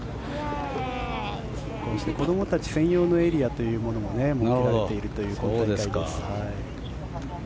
こうして子どもたち専用のエリアというのも設けられているということです。